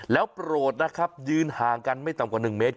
แล้วโปรดนะครับยืนห่างกันไม่ต่ำกว่า๑เมตร